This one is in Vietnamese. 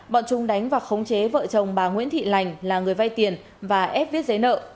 bọn chúng đánh và khống chế vợ chồng bà nguyễn thị lành là người vay tiền và ép viết giấy nợ